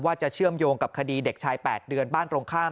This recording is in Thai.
เชื่อมโยงกับคดีเด็กชาย๘เดือนบ้านตรงข้าม